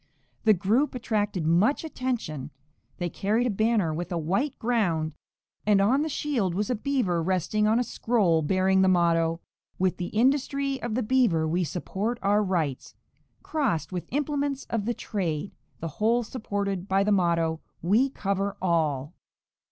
The group attracted much attention; they carried a banner with a white ground, and on the shield was a beaver resting on a scroll bearing the motto: 'With the industry of the beaver we support our rights,' crossed with implements of the trade, the whole supported by the motto: 'We cover all.'"